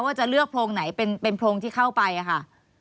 ว่าจะเลือกโพรงไหนเป็นโพรงที่เข้าไปค่ะ